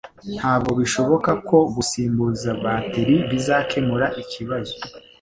Ntabwo bishoboka ko gusimbuza bateri bizakemura ikibazo.